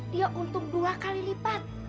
dia untung dua kali lipat